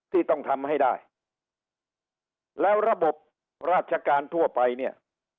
ที่ต้องทำให้ได้แล้วระบบราชการทั่วไปเนี่ย